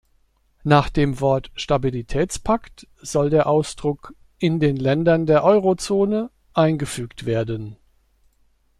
Nach dem Wort 'Stabilitätspakt' soll der Ausdruck 'in den Ländern der Euro-Zone' eingefügt werden.